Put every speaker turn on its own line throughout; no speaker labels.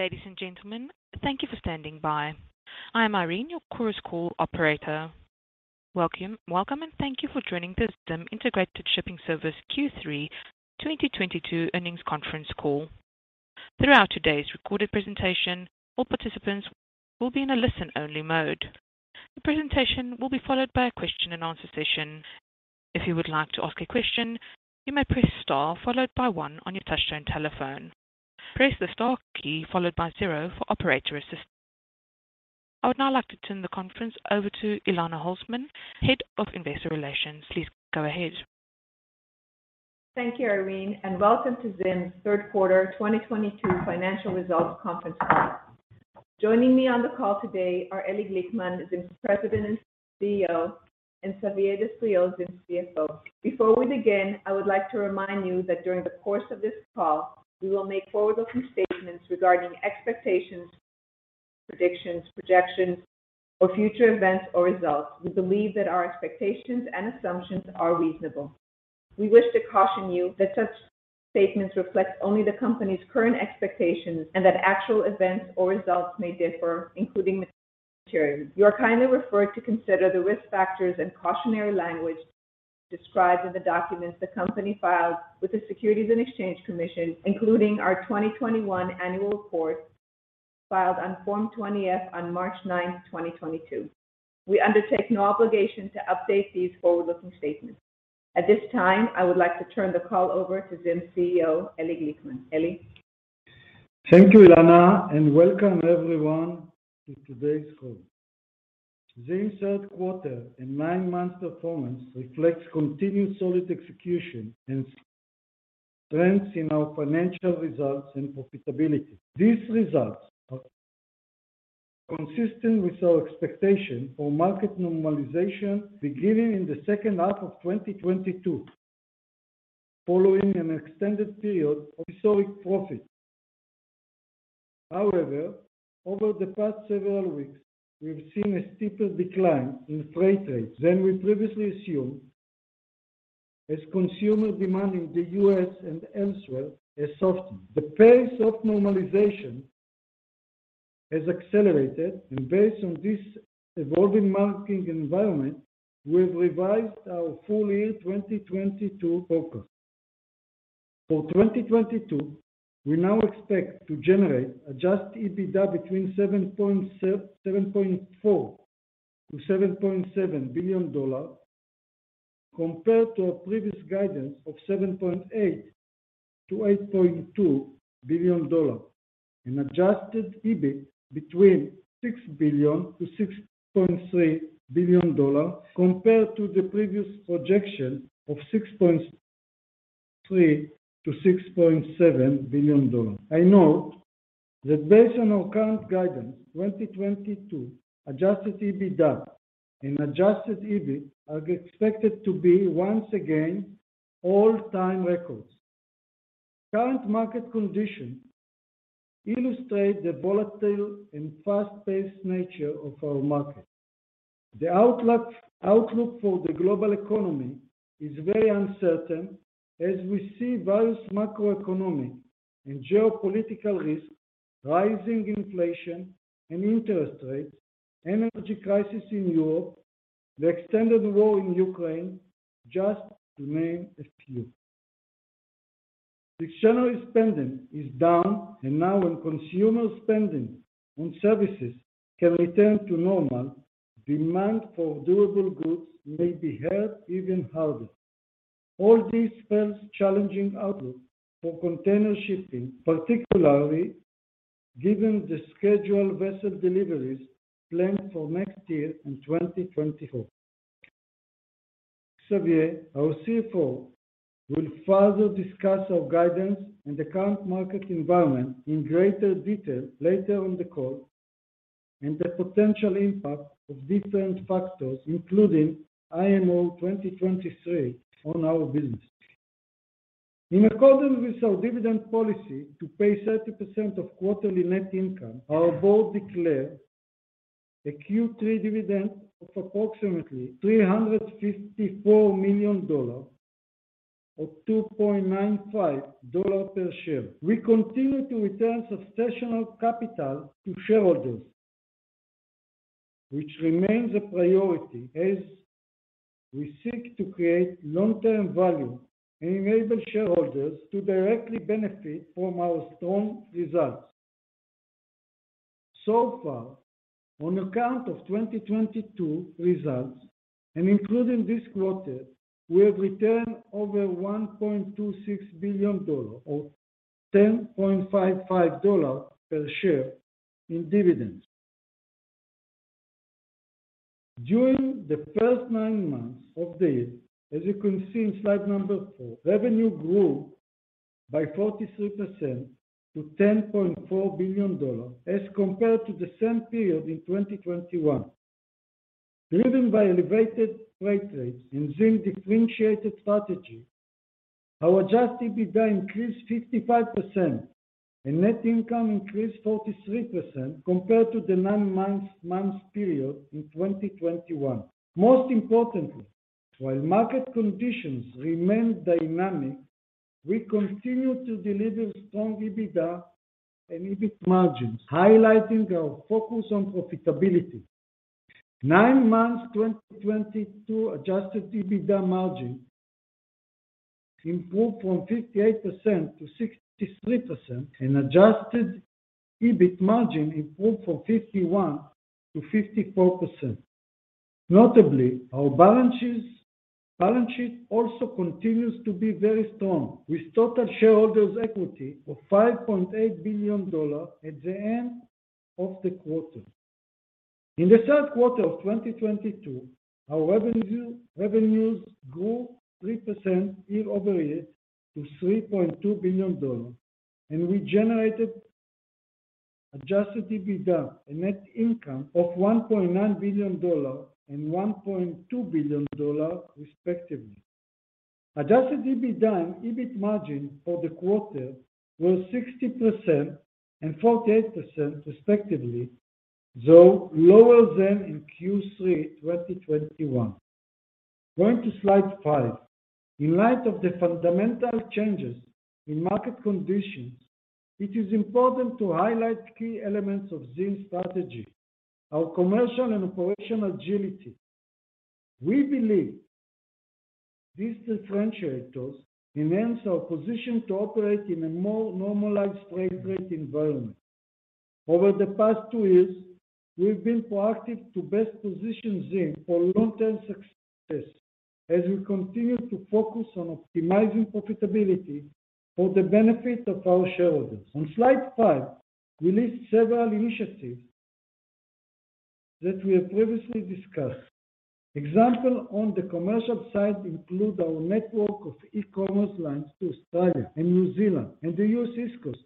Ladies and gentlemen, thank you for standing by. I am Irene, your Chorus Call operator. Welcome, welcome and thank you for joining the ZIM Integrated Shipping Services Ltd. Q3 2022 earnings conference call. Throughout today's recorded presentation, all participants will be in a listen-only mode. The presentation will be followed by a question-and-answer session. If you would like to ask a question, you may press star followed by one on your touchtone telephone. Press the star key followed by zero for operator assistance. I would now like to turn the conference over to Elana Holzman, Head of Investor Relations. Please go ahead.
Thank you, Irene, and welcome to Zim's third quarter 2022 financial results conference call. Joining me on the call today are Eli Glickman, Zim's President and CEO, and Xavier Destriau, Zim's CFO. Before we begin, I would like to remind you that during the course of this call, we will make forward-looking statements regarding expectations, predictions, projections, or future events or results. We believe that our expectations and assumptions are reasonable. We wish to caution you that such statements reflect only the company's current expectations and that actual events or results may differ materially. Please refer to the risk factors and cautionary language described in the documents the company filed with the Securities and Exchange Commission, including our 2021 annual report filed on Form 20-F on March 9, 2022. We undertake no obligation to update these forward-looking statements. At this time, I would like to turn the call over to ZIM's CEO, Eli Glickman. Eli.
Thank you, Elana, and welcome everyone to today's call. ZIM's third quarter and nine-month performance reflects continued solid execution and strengths in our financial results and profitability. These results are consistent with our expectation for market normalization beginning in the second half of 2022 following an extended period of historic profits. However, over the past several weeks, we've seen a steeper decline in freight rates than we previously assumed as consumer demand in the U.S. and elsewhere has softened. The pace of normalization has accelerated, and based on this evolving market environment, we've revised our full year 2022 forecast. For 2022, we now expect to generate Adjusted EBITDA between $7.4 billion-$7.7 billion compared to our previous guidance of $7.8 billion-$8.2 billion. An Adjusted EBIT between $6 billion-$6.3 billion compared to the previous projection of $6.3 billion-$6.7 billion. I note that based on our current guidance, 2022 Adjusted EBITDA and Adjusted EBIT are expected to be once again all-time records. Current market conditions illustrate the volatile and fast-paced nature of our market. The outlook for the global economy is very uncertain as we see various macroeconomic and geopolitical risks, rising inflation and interest rates, energy crisis in Europe, the extended war in Ukraine, just to name a few. Discretionary spending is down, and now when consumer spending on services can return to normal, demand for durable goods may be hurt even harder. All this spells challenging outlook for container shipping, particularly given the scheduled vessel deliveries planned for next year in 2024. Xavier, our CFO, will further discuss our guidance and the current market environment in greater detail later on the call and the potential impact of different factors, including IMO 2023 on our business. In accordance with our dividend policy to pay 30% of quarterly net income, our board declared a Q3 dividend of approximately $354 million or $2.95 dollar per share. We continue to return substantial capital to shareholders, which remains a priority as we seek to create long-term value and enable shareholders to directly benefit from our strong results. So far, on account of 2022 results and including this quarter, we have returned over $1.26 billion or $10.55 dollar per share in dividends. During the first nine months of the year, as you can see in slide number four, revenue grew by 43% to $10.4 billion as compared to the same period in 2021. Driven by elevated freight rates and ZIM differentiated strategy, our Adjusted EBITDA increased 55% and net income increased 43% compared to the nine months period in 2021. Most importantly, while market conditions remain dynamic, we continue to deliver strong EBITDA and EBIT margins, highlighting our focus on profitability. Nine months 2022 Adjusted EBITDA margin improved from 58% to 63% and Adjusted EBIT margin improved from 51% to 54%. Notably, our balance sheet also continues to be very strong, with total shareholders equity of $5.8 billion at the end of the quarter. In the third quarter of 2022, our revenue grew 3% year-over-year to $3.2 billion, and we generated Adjusted EBITDA and net income of $1.9 billion and $1.2 billion respectively. Adjusted EBITDA and EBIT margin for the quarter were 60% and 48% respectively, though lower than in Q3 2021. Going to slide five. In light of the fundamental changes in market conditions, it is important to highlight key elements of ZIM's strategy, our commercial and operational agility. We believe these differentiators enhance our position to operate in a more normalized freight rate environment. Over the past two years, we've been proactive to best position ZIM for long-term success as we continue to focus on optimizing profitability for the benefit of our shareholders. On slide five, we list several initiatives that we have previously discussed. Examples on the commercial side include our network of e-commerce lines to Australia and New Zealand and the U.S. East Coast.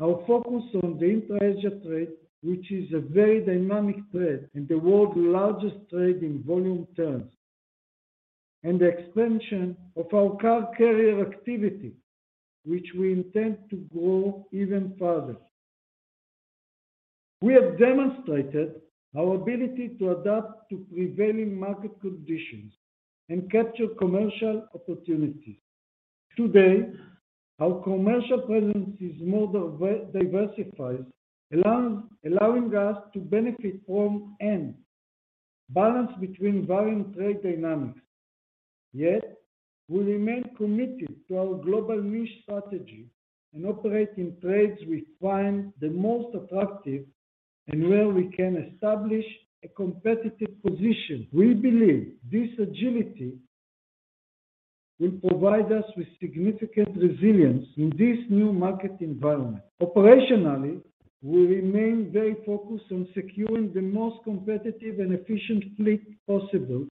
Our focus on the intra-Asia trade, which is a very dynamic trade and the world's largest trade in volume terms, and the expansion of our car carrier activity, which we intend to grow even further. We have demonstrated our ability to adapt to prevailing market conditions and capture commercial opportunities. Today, our commercial presence is more diversified, allowing us to benefit from and balance between varying trade dynamics. Yet, we remain committed to our global niche strategy and operate in trades we find the most attractive and where we can establish a competitive position. We believe this agility will provide us with significant resilience in this new market environment. Operationally, we remain very focused on securing the most competitive and efficient fleet possible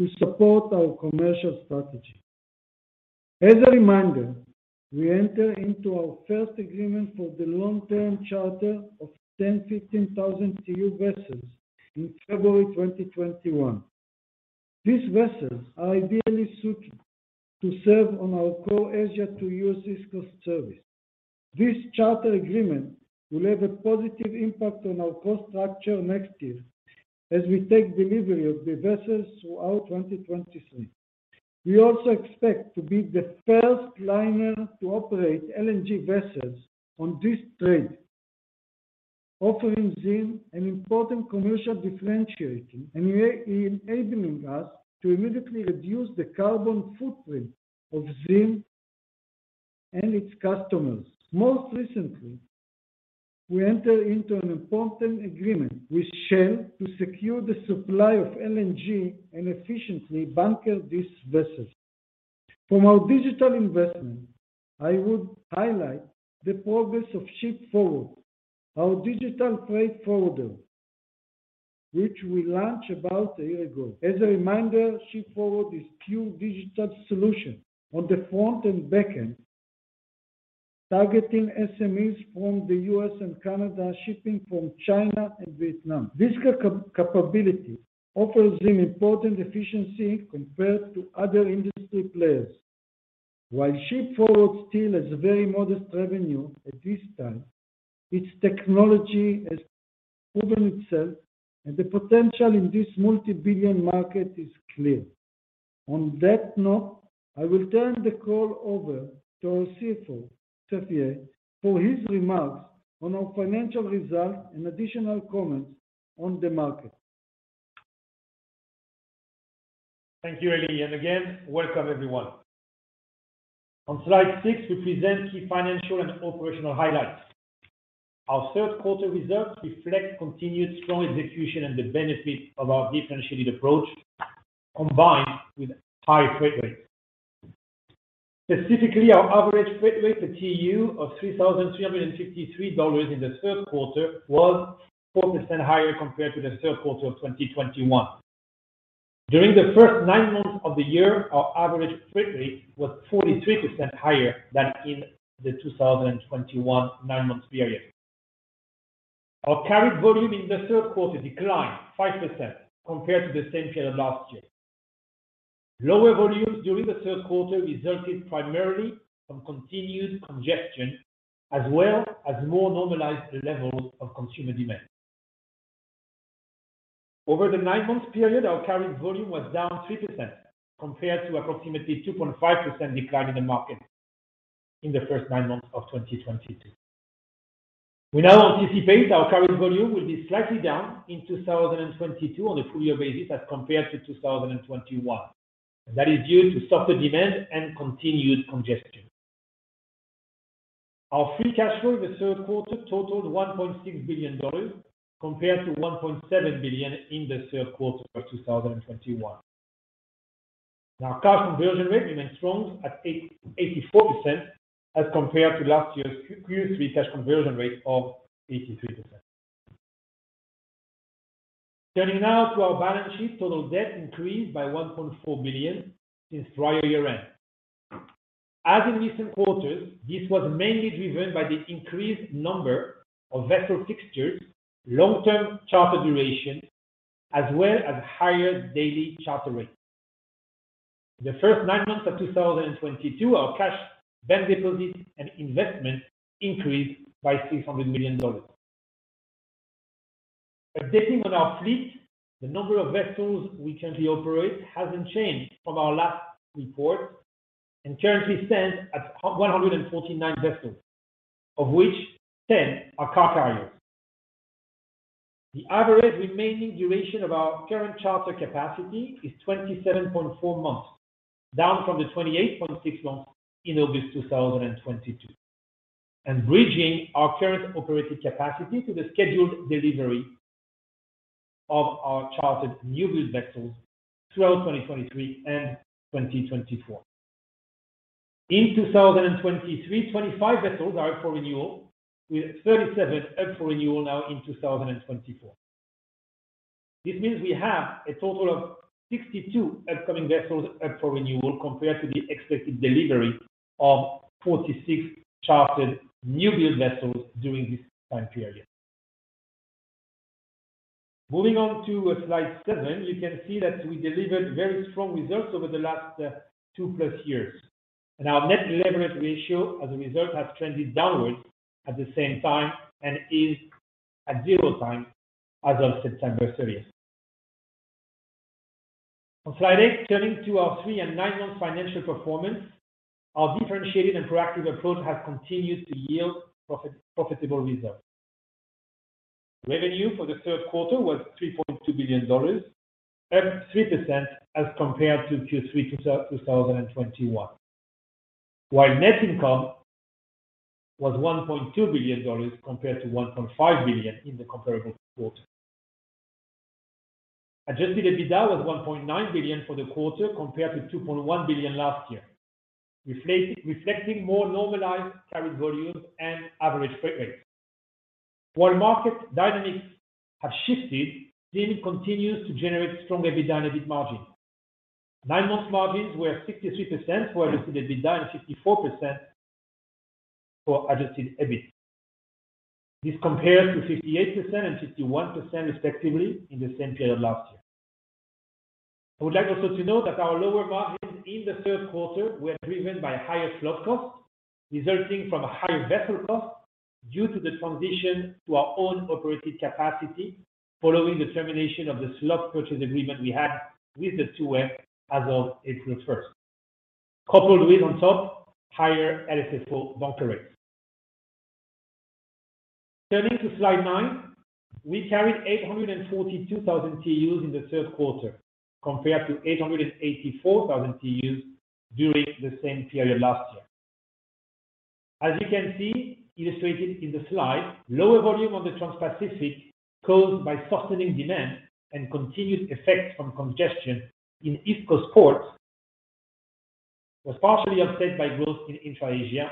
to support our commercial strategy. As a reminder, we enter into our first agreement for the long-term charter of 10,000 to 15,000 TEU vessels in February 2021. These vessels are ideally suited to serve on our core Asia to U.S. East Coast service. This charter agreement will have a positive impact on our cost structure next year as we take delivery of the vessels throughout 2023. We also expect to be the first liner to operate LNG vessels on this trade, offering ZIM an important commercial differentiator and enabling us to immediately reduce the carbon footprint of ZIM and its customers. Most recently, we enter into an important agreement with Shell to secure the supply of LNG and efficiently bunker these vessels. From our digital investment, I would highlight the progress of Ship4wd, our digital freight forwarder, which we launched about a year ago. As a reminder, Ship4wd is pure digital solution on the front and back end, targeting SMEs from the U.S. and Canada shipping from China and Vietnam. This capability offers an important efficiency compared to other industry players. While Ship4wd still has very modest revenue at this time, its technology has proven itself, and the potential in this multi-billion market is clear. On that note, I will turn the call over to our CFO, Xavier, for his remarks on our financial results and additional comments on the market.
Thank you, Eli, and again, welcome everyone. On slide six, we present key financial and operational highlights. Our third quarter results reflect continued strong execution and the benefit of our differentiated approach combined with high freight rates. Specifically, our average freight rate per TEU of $3,353 in the third quarter was 4% higher compared to the third quarter of 2021. During the first nine months of the year, our average freight rate was 43% higher than in the 2021 nine-month period. Our carried volume in the third quarter declined 5% compared to the same period last year. Lower volumes during the third quarter resulted primarily from continued congestion as well as more normalized levels of consumer demand. Over the nine-month period, our carried volume was down 3% compared to approximately 2.5% decline in the market in the first nine months of 2022. We now anticipate our carried volume will be slightly down in 2022 on a full year basis as compared to 2021. That is due to softer demand and continued congestion. Our free cash flow in the third quarter totaled $1.6 billion compared to $1.7 billion in the third quarter of 2021. Now our cash conversion rate remains strong at 84% as compared to last year's Q3 cash conversion rate of 83%. Turning now to our balance sheet. Total debt increased by $1.4 billion since prior year-end. As in recent quarters, this was mainly driven by the increased number of vessel fixtures, long-term charter duration, as well as higher daily charter rates. In the first nine months of 2022, our cash, bank deposits, and investments increased by $600 million. Updating on our fleet, the number of vessels we currently operate hasn't changed from our last report and currently stands at 149 vessels, of which 10 are car carriers. The average remaining duration of our current charter capacity is 27.4 months, down from the 28.6 months in August 2022, and bridging our current operating capacity to the scheduled delivery of our chartered new-build vessels throughout 2023 and 2024. In 2023, 25 vessels are up for renewal, with 37 up for renewal now in 2024. This means we have a total of 62 upcoming vessels up for renewal compared to the expected delivery of 46 chartered new-build vessels during this time period. Moving on to slide seven, you can see that we delivered very strong results over the last two-plus years. Our net leverage ratio as a result has trended downwards at the same time and is at zero times as of September 30. On slide eight, turning to our three and nine month financial performance, our differentiated and proactive approach has continued to yield profitable results. Revenue for the third quarter was $3.2 billion, up 3% as compared to Q3 2021. While net income was $1.2 billion compared to $1.5 billion in the comparable quarter. Adjusted EBITDA was $1.9 billion for the quarter compared to $2.1 billion last year, reflecting more normalized carried volumes and average freight rates. While market dynamics have shifted, ZIM continues to generate strong EBITDA and EBIT margins. Nine-month margins were 63% for Adjusted EBITDA and 54% for Adjusted EBIT. This compares to 58% and 51% respectively in the same period last year. I would like also to note that our lower margins in the third quarter were driven by higher slot costs resulting from higher vessel costs due to the transition to our own operated capacity following the termination of the slot purchase agreement we had with the 2M as of April 1st, coupled with on top higher LSFO bunker rates. Turning to slide nine. We carried 842,000 TEUs in the third quarter, compared to 884,000 TEUs during the same period last year. As you can see illustrated in the slide, lower volume on the Transpacific caused by softening demand and continued effects from congestion in East Coast ports was partially offset by growth in Intra-Asia,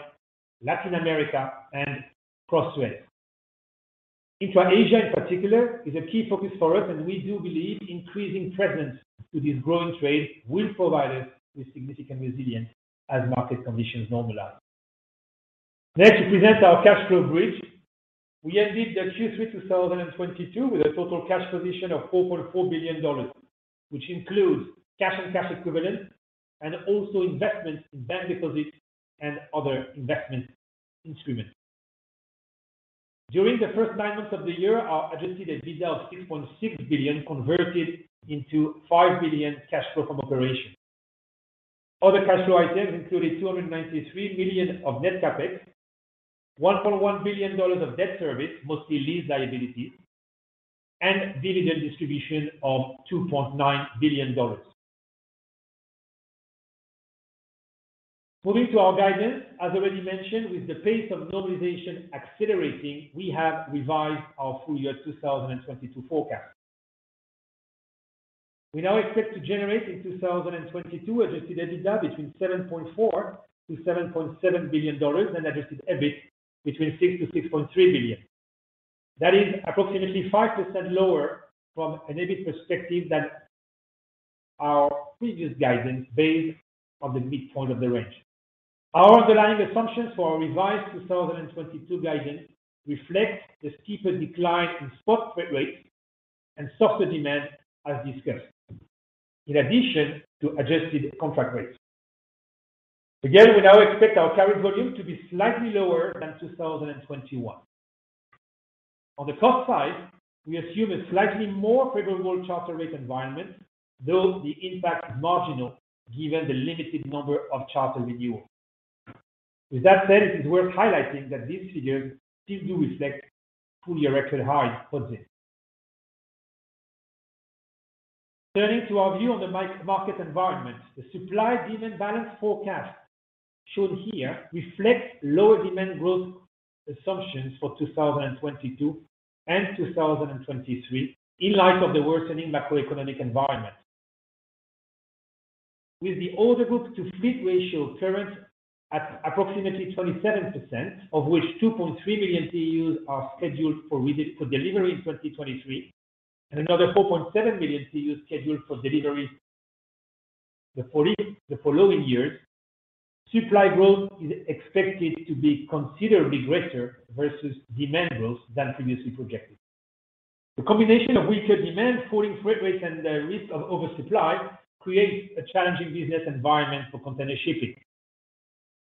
Latin America, and Cross-Med. Intra-Asia in particular is a key focus for us, and we do believe increasing presence to this growing trade will provide us with significant resilience as market conditions normalize. Next, we present our cash flow bridge. We ended the Q3 2022 with a total cash position of $4.4 billion, which includes cash and cash equivalents and also investments in bank deposits and other investment instruments. During the first nine months of the year, our Adjusted EBITDA of $6.6 billion converted into $5 billion cash flow from operations. Other cash flow items included $293 million of net CapEx, $1.1 billion of debt service, mostly lease liabilities, and dividend distribution of $2.9 billion. Moving to our guidance. As already mentioned, with the pace of normalization accelerating, we have revised our full-year 2022 forecast. We now expect to generate in 2022 Adjusted EBITDA between $7.4-$7.7 billion and Adjusted EBIT between $6-$6.3 billion. That is approximately 5% lower from an EBIT perspective than our previous guidance based on the midpoint of the range. Our underlying assumptions for our revised 2022 guidance reflect the steeper decline in spot freight rates and softer demand as discussed, in addition to adjusted contract rates. Again, we now expect our carried volume to be slightly lower than 2021. On the cost side, we assume a slightly more favorable charter rate environment, though the impact is marginal given the limited number of charter renewals. With that said, it is worth highlighting that these figures still do reflect full year record highs for this. Turning to our view on the market environment, the supply demand balance forecast shown here reflects lower demand growth assumptions for 2022 and 2023 in light of the worsening macroeconomic environment. With the order book to fleet ratio currently at approximately 27%, of which 2.3 million TEUs are scheduled for delivery in 2023, and another 4.7 million TEUs scheduled for delivery the following years, supply growth is expected to be considerably greater versus demand growth than previously projected. The combination of weaker demand, falling freight rates and the risk of oversupply creates a challenging business environment for container shipping.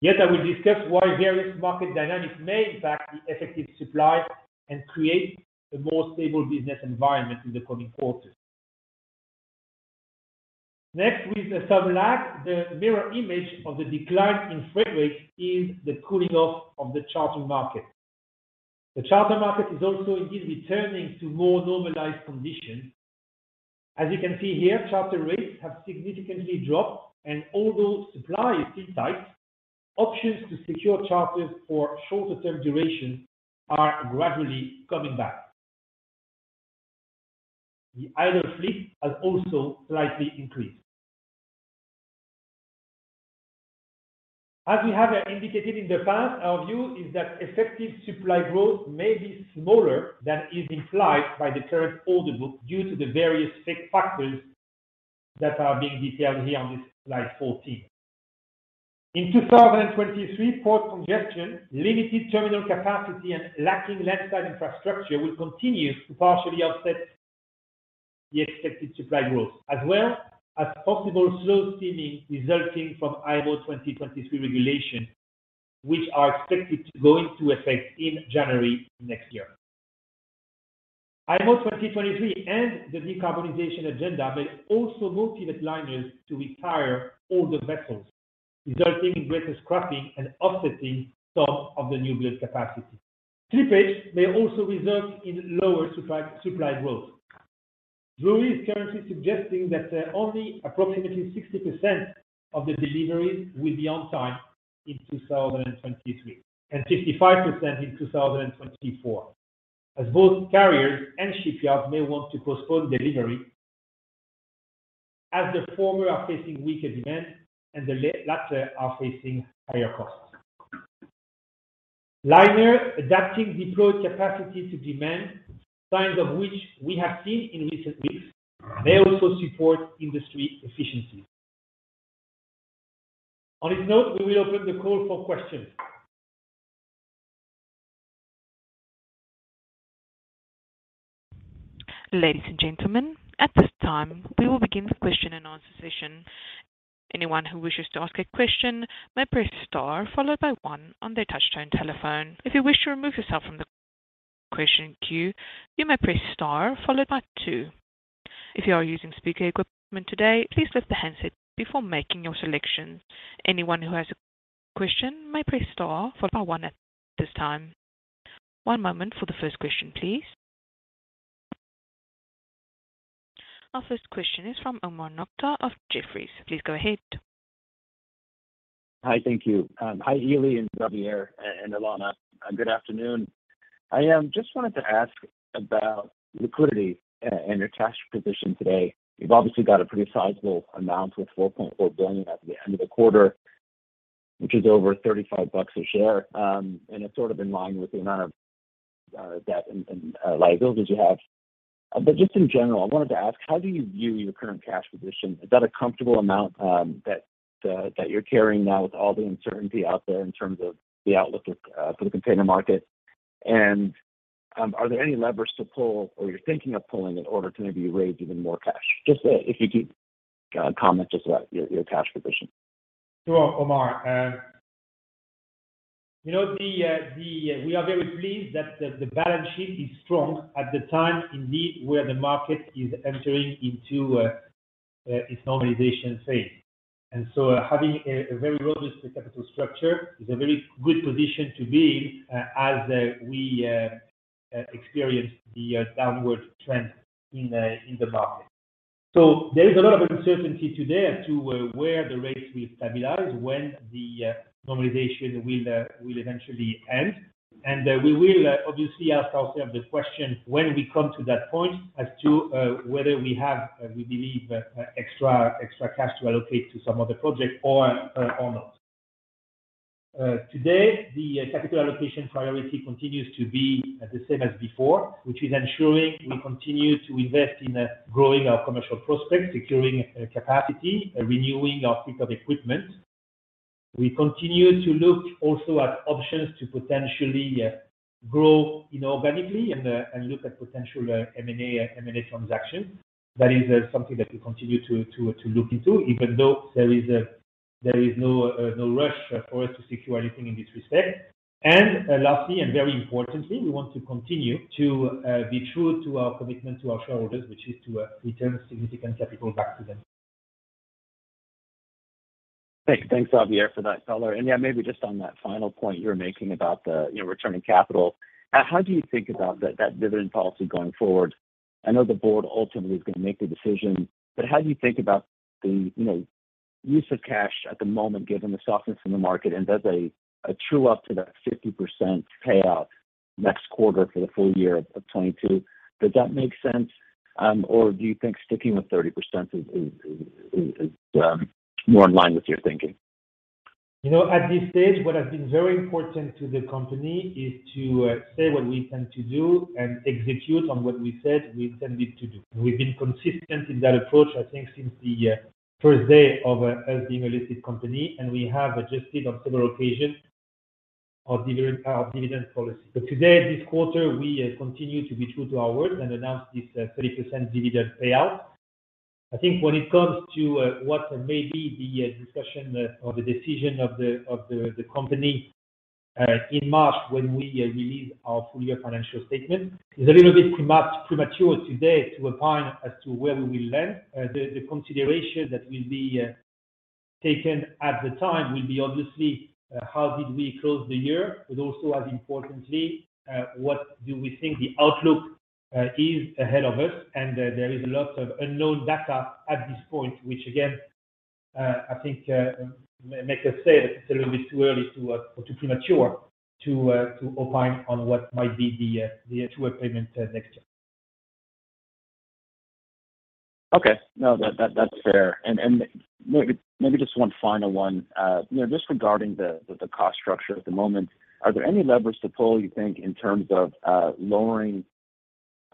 Yet I will discuss why various market dynamics may impact the effective supply and create a more stable business environment in the coming quarters. Next, with some lag, the mirror image of the decline in freight rates is the cooling off of the charter market. The charter market is also indeed returning to more normalized conditions. As you can see here, charter rates have significantly dropped, and although supply is still tight, options to secure charters for shorter term duration are gradually coming back. The idle fleet has also slightly increased. As we have indicated in the past, our view is that effective supply growth may be smaller than is implied by the current order book due to the various factors that are being detailed here on this slide 14. In 2023, port congestion, limited terminal capacity, and lacking land-side infrastructure will continue to partially offset the expected supply growth, as well as possible slow steaming resulting from IMO 2023 regulation, which are expected to go into effect in January next year. IMO 2023 and the decarbonization agenda may also motivate liners to retire older vessels, resulting in greater scrapping and offsetting some of the new build capacity. Slippage may also result in lower supply growth. Drewry is currently suggesting that only approximately 60% of the deliveries will be on time in 2023, and 55% in 2024, as both carriers and shipyards may want to postpone delivery, as the former are facing weaker demand and the latter are facing higher costs. Liner adapting deployed capacity to demand, signs of which we have seen in recent weeks, may also support industry efficiency. On this note, we will open the call for questions.
Ladies and gentlemen, at this time, we will begin the question-and-answer session. Anyone who wishes to ask a question may press star followed by one on their touchtone telephone. If you wish to remove yourself from the question queue, you may press star followed by two. If you are using speaker equipment today, please lift the handset before making your selections. Anyone who has a question may press star followed by one at this time. One moment for the first question, please. Our first question is from Omar Nokta of Jefferies. Please go ahead.
Hi. Thank you. Hi, Eli and Xavier and Elana. Good afternoon. I just wanted to ask about liquidity and your cash position today. You've obviously got a pretty sizable amount with $4.4 billion at the end of the quarter, which is over $35 a share, and it's sort of in line with the amount of debt and liabilities you have. Just in general, I wanted to ask, how do you view your current cash position? Is that a comfortable amount that you're carrying now with all the uncertainty out there in terms of the outlook for the container market? Are there any levers to pull or you're thinking of pulling in order to maybe raise even more cash? Just, if you could comment just about your cash position.
Sure, Omar. You know, we are very pleased that the balance sheet is strong at the time indeed where the market is entering into its normalization phase. Having a very robust capital structure is a very good position to be as we experience the downward trend in the market. There is a lot of uncertainty today as to where the rates will stabilize when the normalization will eventually end. We will obviously ask ourselves this question when we come to that point as to whether we have we believe extra cash to allocate to some other project or not. Today the capital allocation priority continues to be the same as before, which is ensuring we continue to invest in growing our commercial prospects, securing capacity, renewing our fleet of equipment. We continue to look also at options to potentially grow inorganically and look at potential M&A transactions. That is something that we continue to look into, even though there is no rush for us to secure anything in this respect. Lastly, and very importantly, we want to continue to be true to our commitment to our shareholders, which is to return significant capital back to them.
Thanks. Thanks, Xavier, for that color. Yeah, maybe just on that final point you're making about the, you know, returning capital, how do you think about that dividend policy going forward? I know the board ultimately is going to make the decision, but how do you think about the, you know, use of cash at the moment, given the softness in the market? Does a true up to that 50% payout next quarter for the full year of 2022 make sense? Do you think sticking with 30% is more in line with your thinking?
You know, at this stage, what has been very important to the company is to say what we intend to do and execute on what we said we intended to do. We've been consistent in that approach, I think, since the first day of us being a listed company, and we have adjusted on several occasions our dividend policy. Today, this quarter, we continue to be true to our word and announce this 30% dividend payout. I think when it comes to what may be the discussion or the decision of the company in March when we release our full year financial statement, it's a little bit premature today to opine as to where we will land. The consideration that will be taken at the time will be obviously how we closed the year, but also as importantly what we think the outlook is ahead of us. There is a lot of unknown data at this point, which again I think makes us say that it's a little bit too early or too premature to opine on what might be the payout payment next year.
Okay. No, that's fair. Maybe just one final one. You know, just regarding the cost structure at the moment, are there any levers to pull, you think, in terms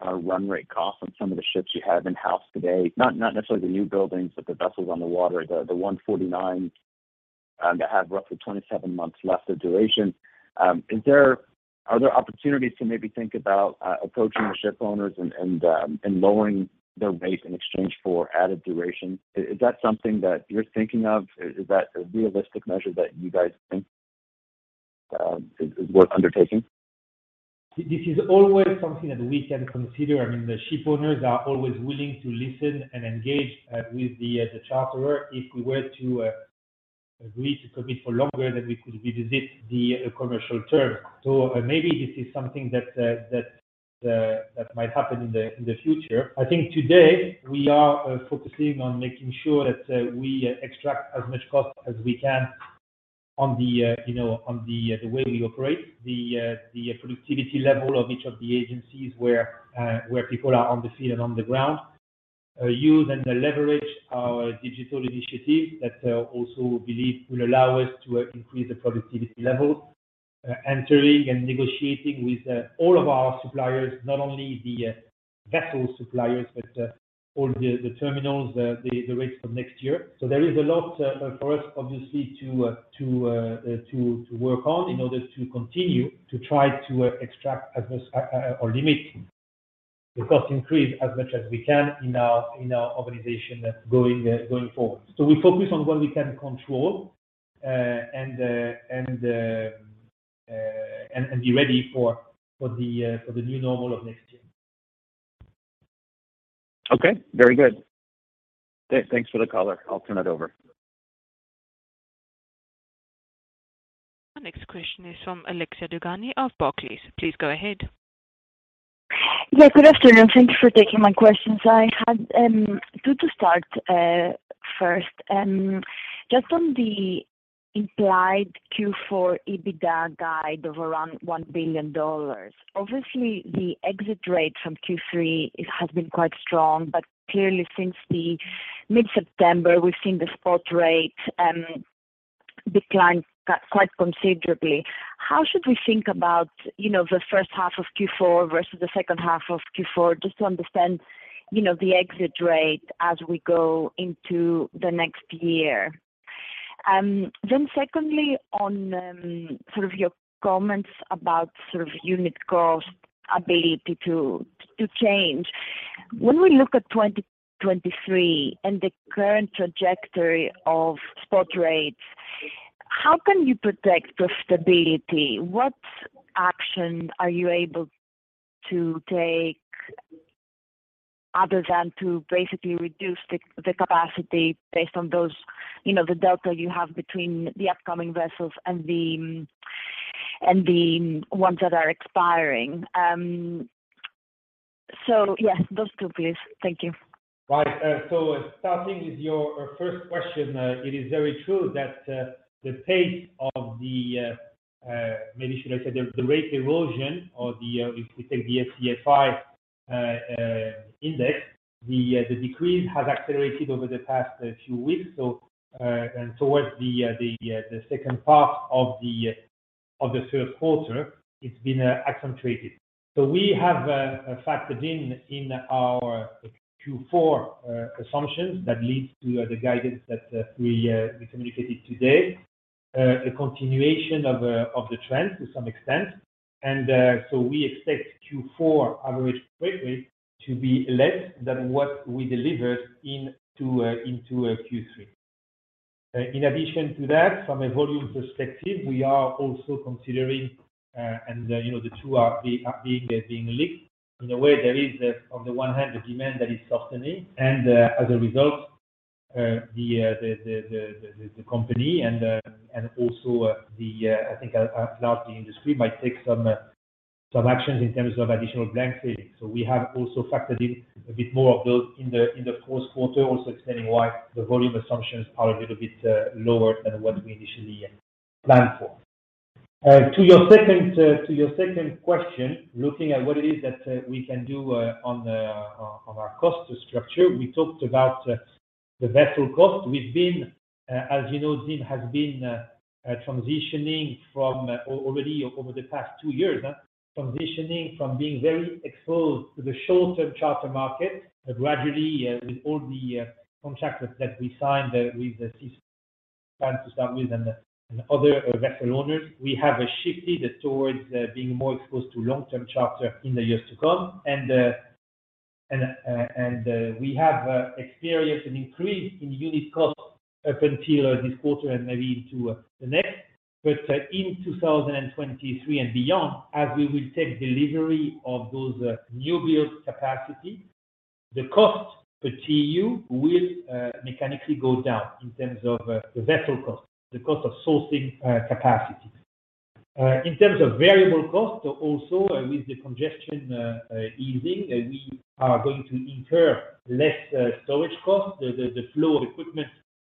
of lowering run rate costs on some of the ships you have in house today? Not necessarily the new buildings, but the vessels on the water, the 149 that have roughly 27 months left of duration. Are there opportunities to maybe think about approaching the shipowners and lowering their rate in exchange for added duration? Is that something that you're thinking of? Is that a realistic measure that you guys think is worth undertaking?
This is always something that we can consider. I mean, the shipowners are always willing to listen and engage with the charterer. If we were to agree to commit for longer, then we could revisit the commercial terms. Maybe this is something that might happen in the future. I think today we are focusing on making sure that we extract as much cost as we can on the, you know, on the way we operate, the productivity level of each of the agencies where people are on the field and on the ground. Use and leverage our digital initiative that also we believe will allow us to increase the productivity levels. Entering and negotiating with all of our suppliers, not only the vessel suppliers, but all the terminals, the rates for next year. There is a lot for us obviously to work on in order to continue to try to extract as much or limit the cost increase as much as we can in our organization going forward. We focus on what we can control and be ready for the new normal of next year.
Okay. Very good. Thanks for the color. I'll turn it over.
Our next question is from Alexia Dogani of Barclays. Please go ahead.
Yeah, good afternoon. Thank you for taking my questions. I had two to start. First, just on the implied Q4 EBITDA guide of around $1 billion. Obviously, the exit rate from Q3 has been quite strong, but clearly since the mid-September, we've seen the spot rate decline quite considerably. How should we think about, you know, the first half of Q4 versus the second half of Q4, just to understand, you know, the exit rate as we go into the next year? Then secondly, on sort of your comments about sort of unit cost ability to change. When we look at 2023 and the current trajectory of spot rates, how can you protect the stability? What action are you able to take other than to basically reduce the capacity based on those, you know, the delta you have between the upcoming vessels and the ones that are expiring? Yeah, those two, please. Thank you.
Right. Starting with your first question, it is very true that the pace of the maybe should I say the rate erosion or if we take the SCFI index, the decrease has accelerated over the past few weeks, and towards the second part of the third quarter, it's been accentuated. We have factored in our Q4 assumptions that leads to the guidance that we communicated today, a continuation of the trend to some extent. We expect Q4 average freight rate to be less than what we delivered into Q3. In addition to that, from a volume perspective, we are also considering, and you know, the two are being linked. In a way there is, on the one hand, the demand that is softening and, as a result, the company and also, I think a large the industry might take some actions in terms of additional blank sailing. We have also factored in a bit more of those in the fourth quarter, also explaining why the volume assumptions are a little bit lower than what we initially planned for. To your second question, looking at what it is that we can do on our cost structure. We talked about the vessel cost. We've been, as you know, ZIM has been transitioning already over the past two years, transitioning from being very exposed to the short-term charter market gradually, with all the contracts that we signed with the plan to start with and other vessel owners. We have shifted towards being more exposed to long-term charter in the years to come. We have experienced an increase in unit cost up until this quarter and maybe into the next. In 2023 and beyond, as we will take delivery of those new build capacity, the cost per TEU will mechanically go down in terms of the vessel cost, the cost of sourcing capacity. In terms of variable cost, also with the congestion easing, we are going to incur less storage costs. The flow of equipment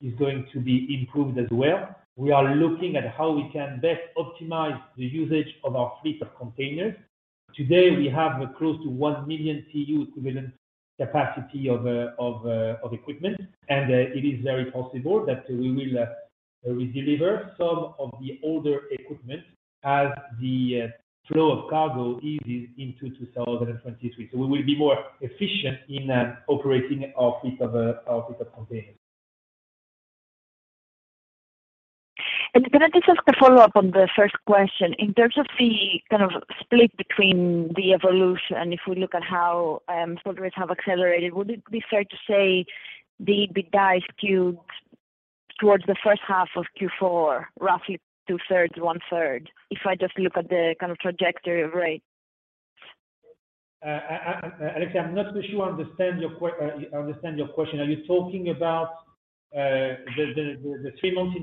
is going to be improved as well. We are looking at how we can best optimize the usage of our fleet of containers. Today, we have close to 1 million TEU equivalent capacity of equipment, and it is very possible that we will redeliver some of the older equipment as the flow of cargo eases into 2023. We will be more efficient in operating our fleet of containers.
Can I just ask a follow-up on the first question? In terms of the, kind of, split between the evolution, if we look at how, freight rates have accelerated, would it be fair to say they'd be biased towards the first half of Q4, roughly two-thirds, one-third, if I just look at the, kind of, trajectory of rates?
Alexia, I'm not sure I understand. I understand your question. Are you talking about the three months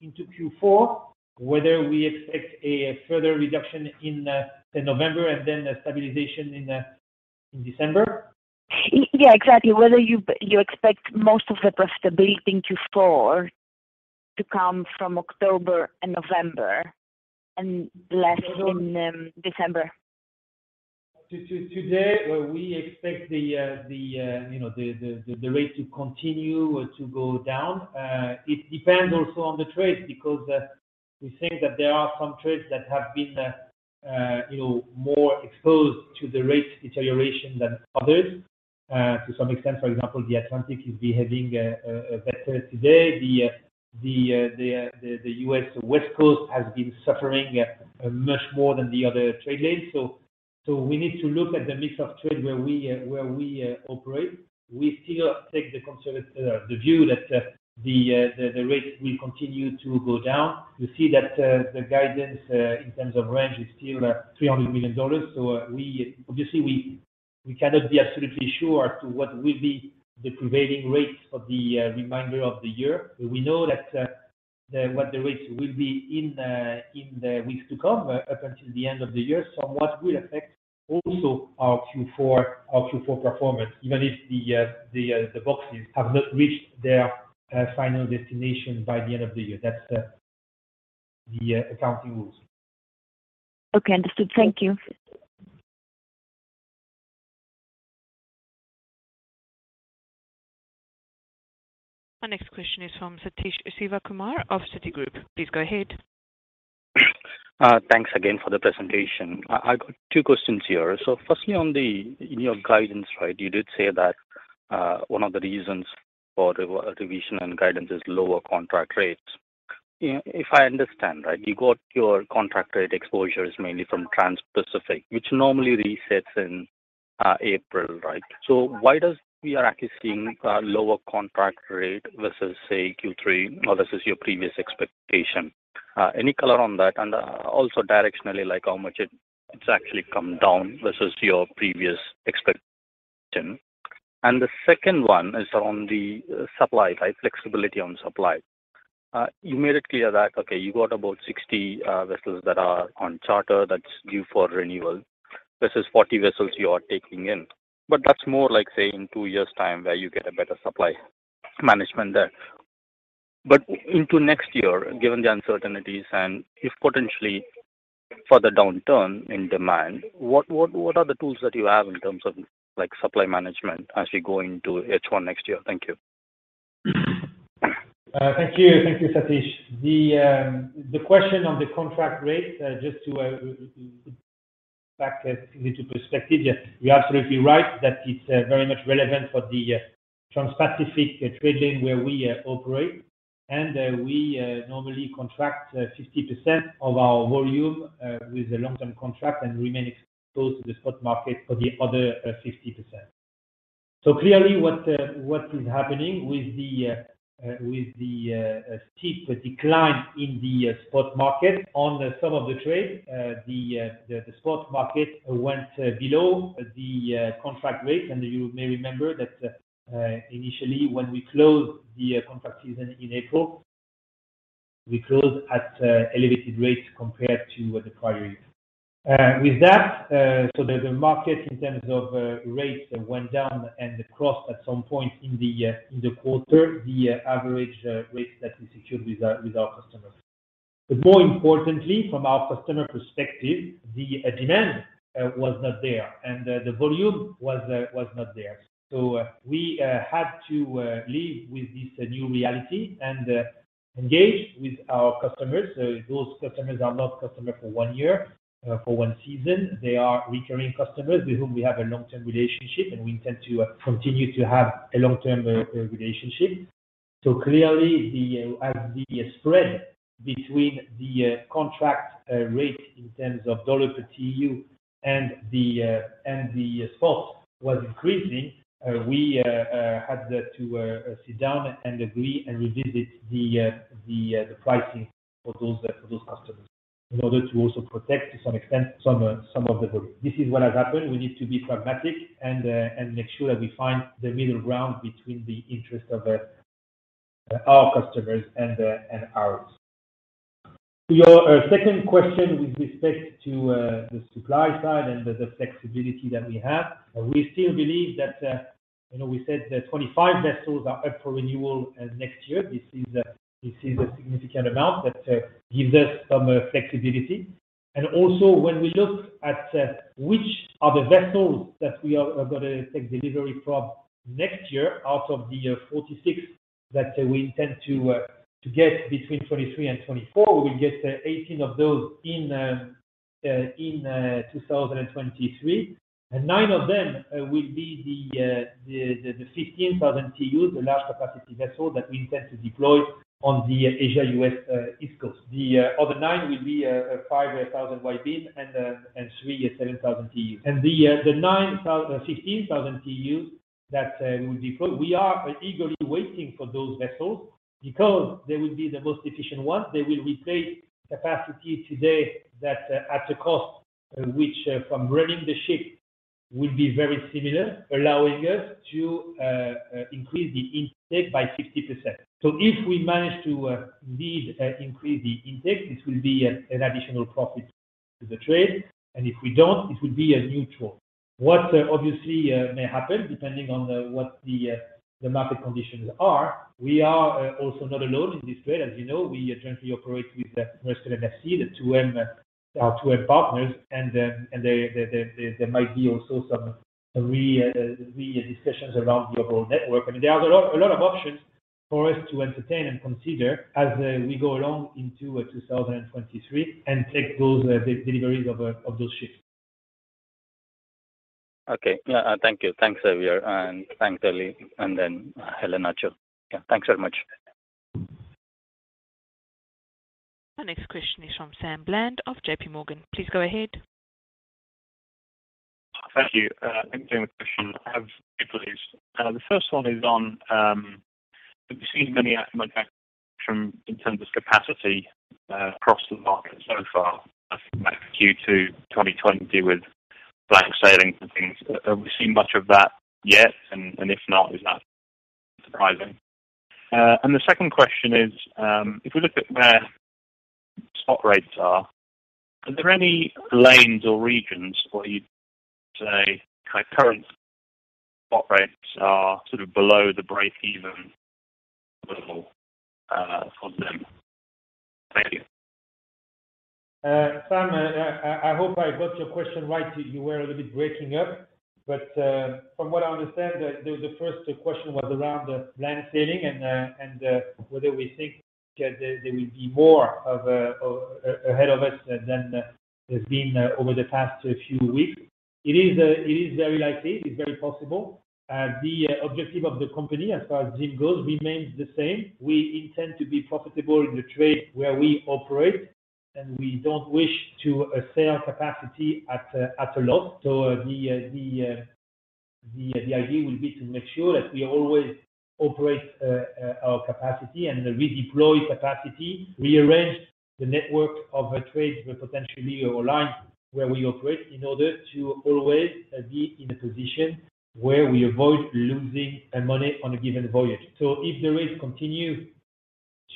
into Q4, whether we expect a further reduction in November and then a stabilization in December?
Yeah, exactly. Whether you expect most of the profitability in Q4 to come from October and November and less in December.
Today, we expect the rate to continue to go down. You know, it depends also on the trades because we think that there are some trades that have been you know more exposed to the rate deterioration than others to some extent. For example, the Atlantic is behaving better today. The US West Coast has been suffering much more than the other trade lanes. We need to look at the mix of trade where we operate. We still take the view that the rate will continue to go down. You see that the guidance in terms of range is still $300 million. Obviously, we cannot be absolutely sure as to what will be the prevailing rates for the remainder of the year. We know that what the rates will be in the weeks to come up until the end of the year. What will affect also our Q4 performance, even if the boxes have not reached their final destination by the end of the year. That's the accounting rules.
Okay. Understood. Thank you.
Our next question is from Sathish Sivakumar of Citigroup. Please go ahead.
Thanks again for the presentation. I got two questions here. Firstly, on the guidance, right, you did say that one of the reasons for the revision in guidance is lower contract rates. If I understand, right, you got your contract rate exposure is mainly from Transpacific, which normally resets in April, right? Why are we actually seeing lower contract rate versus, say, Q3 or versus your previous expectation? Any color on that? Also directionally, like how much it's actually come down versus your previous expectation. The second one is on the supply, right, flexibility on supply. You made it clear that you got about 60 vessels that are on charter that's due for renewal versus 40 vessels you are taking in.
That's more like, say, in two years' time where you get a better supply management there.
Into next year, given the uncertainties and if potentially for the downturn in demand, what are the tools that you have in terms of like supply management as you go into H1 next year? Thank you.
Thank you. Thank you, Sathish. The question on the contract rate, just to put a little perspective, you're absolutely right that it's very much relevant for the Transpacific trade where we operate, and we normally contract 50% of our volume with the long-term contract and remain exposed to the spot market for the other 50%. Clearly, what is happening with the steep decline in the spot market on some of the trade, the spot market went below the contract rate. You may remember that, initially, when we closed the contract season in April, we closed at elevated rates compared to the prior year. With that, the market in terms of rates went down and crossed at some point in the quarter, the average rates that we secured with our customers. More importantly, from our customer perspective, the demand was not there, and the volume was not there. We had to live with this new reality and engage with our customers. Those customers are not customers for one year, for one season. They are recurring customers with whom we have a long-term relationship, and we intend to continue to have a long-term relationship. Clearly, as the spread between the contract rate in terms of dollar per TEU and the spot was increasing, we had to sit down and agree and revisit the pricing for those customers in order to also protect to some extent some of the volume. This is what has happened. We need to be pragmatic and make sure that we find the middle ground between the interest of our customers and ours. To your second question with respect to the supply side and the flexibility that we have, we still believe that, you know, we said that 25 vessels are up for renewal next year. This is a significant amount that gives us some flexibility. Also when we look at which are the vessels that we are gonna take delivery from next year out of the 46 that we intend to get between 2023 and 2024, we will get 18 of those in 2023. Nine of them will be the 15,000 TEU, the large capacity vessel that we intend to deploy on the Asia-U.S. East Coast. The other nine will be 5,000 wide beam and 3,700 TEU. The 15,000 TEU that we deploy, we are eagerly waiting for those vessels because they will be the most efficient ones. They will replace capacity today that at a cost which from running the ship will be very similar, allowing us to increase the intake by 60%. If we manage to indeed increase the intake, this will be an additional profit to the trade, and if we don't, it will be a neutral. What obviously may happen, depending on what the market conditions are, we are also not alone in this trade. As you know, we jointly operate with Maersk and MSC, the 2M, our 2M partners, and there might be also some re discussions around the overall network. I mean, there are a lot of options for us to entertain and consider as we go along into 2023 and take those deliveries of those ships.
Okay. Yeah. Thank you. Thanks, Xavier, and thanks, Eli, and then Elana after. Yeah. Thanks very much.
Our next question is from Sam Bland of JPMorgan. Please go ahead.
Thank you. Thank you for taking the question. I have two, please. The first one is on, we've seen many in terms of capacity, across the market so far due to 2020 with blank sailing and things. Have we seen much of that yet? If not, is that surprising? The second question is, if we look at where spot rates are there any lanes or regions where you'd say current spot rates are sort of below the break-even level, for them? Thank you.
Sam, I hope I got your question right. You were a little bit breaking up. From what I understand, the first question was around blank sailing and whether we think there will be more of ahead of us than there's been over the past few weeks. It is very likely. It's very possible. The objective of the company as far as Zim goes remains the same. We intend to be profitable in the trade where we operate, and we don't wish to sell capacity at a loss. The idea will be to make sure that we always operate our capacity and redeploy capacity, rearrange the network of trades we potentially align where we operate in order to always be in a position where we avoid losing money on a given voyage. If the rates continue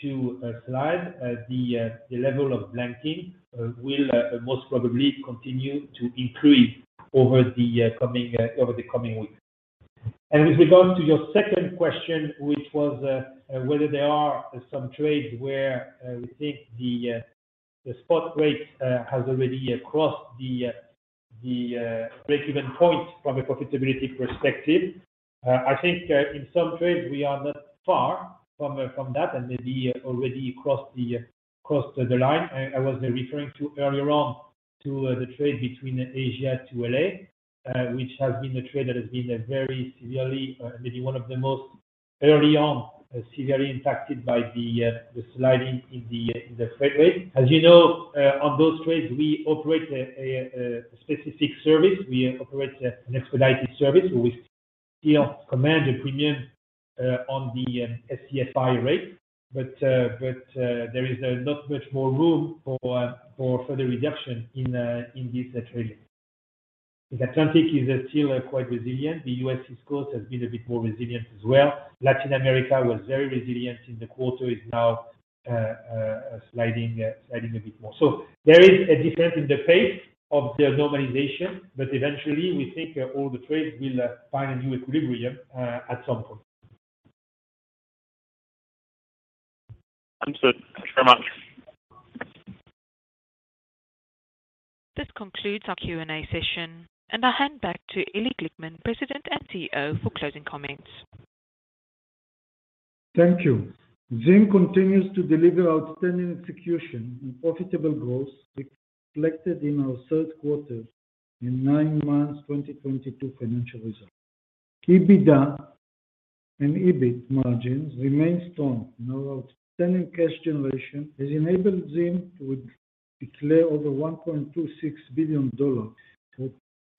to slide, the level of blank sailings will most probably continue to increase over the coming weeks. With regards to your second question, which was whether there are some trades where we think the spot rate has already crossed the break-even point from a profitability perspective. I think in some trades we are not far from that, and maybe already crossed the line. I was referring to earlier on to the trade between Asia to L.A., which has been a trade that has been a very severely, maybe one of the most early on severely impacted by the sliding in the freight rate. As you know, on those trades, we operate a specific service. We operate an expedited service where we still command a premium on the SCFI rate. There is not much more room for further reduction in this trade. The Atlantic is still quite resilient. The U.S. East Coast has been a bit more resilient as well. Latin America was very resilient in the quarter. It's now sliding a bit more. There is a difference in the pace of the normalization, but eventually we think all the trades will find a new equilibrium at some point.
Understood. Thank you very much.
This concludes our Q and A session, and I hand back to Eli Glickman, President and CEO, for closing comments.
Thank you. ZIM continues to deliver outstanding execution and profitable growth reflected in our third quarter and nine months 2022 financial results. EBITDA and EBIT margins remain strong, and our outstanding cash generation has enabled ZIM to declare over $1.26 billion at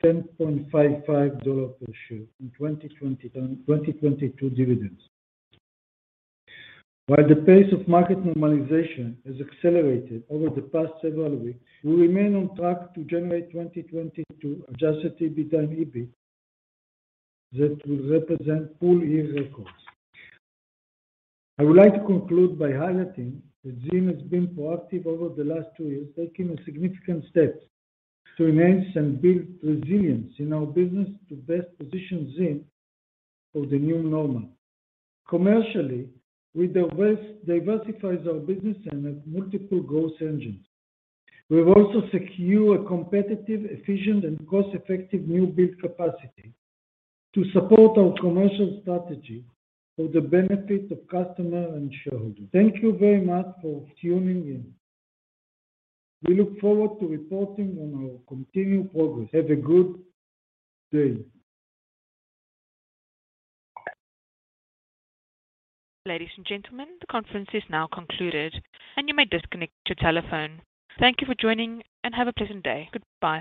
$10.55 per share in 2022 dividends. While the pace of market normalization has accelerated over the past several weeks, we remain on track to generate 2022 Adjusted EBITDA and EBIT that will represent full year records. I would like to conclude by highlighting that ZIM has been proactive over the last two years, taking a significant step to enhance and build resilience in our business to best position ZIM for the new normal. Commercially, we diversified our business and have multiple growth engines. We have also secured a competitive, efficient, and cost-effective newbuild capacity to support our commercial strategy for the benefit of customer and shareholder. Thank you very much for tuning in. We look forward to reporting on our continued progress. Have a good day.
Ladies and gentlemen, the conference is now concluded, and you may disconnect your telephone. Thank you for joining, and have a pleasant day. Goodbye.